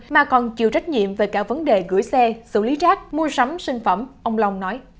mua sắm sinh phẩm ông long nói